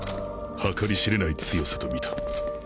計り知れない強さとみた